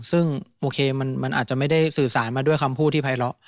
ซึ่งโอเคมันอาจจะไม่ได้สื่อสารมาด้วยคำพูดที่ภัยเลาะ